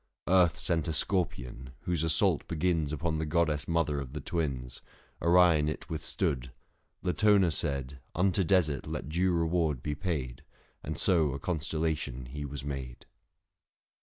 Earth sent a scorpion, whose assault begins 610 Upon the goddess mother of the Twins — Orion it withstood : Latona said, Unto desert let due reward be paid, And so a constellation he was made.